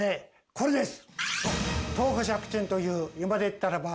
これです！